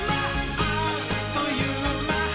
あっというまっ！」